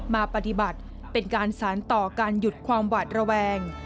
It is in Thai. มาปฏิบัติเป็นการสารต่อการหยุดความหวาดระแวง